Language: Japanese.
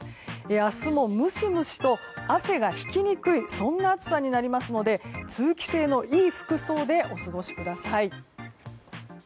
明日もムシムシと汗が引きにくい暑さになりますので通気性のいい服装でお過ごしください。